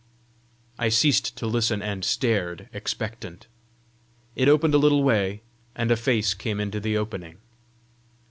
I ceased to listen, and stared expectant. It opened a little way, and a face came into the opening.